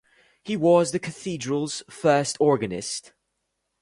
He was the cathedral's first organist.